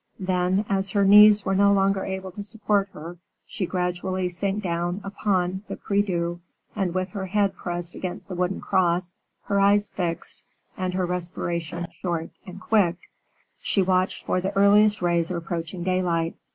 Then, as her knees were no longer able to support her, she gradually sank down upon the prie Dieu, and with her head pressed against the wooden cross, her eyes fixed, and her respiration short and quick, she watched for the earliest rays of approaching daylight.